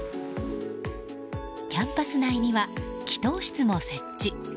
キャンパス内には、祈祷室も設置。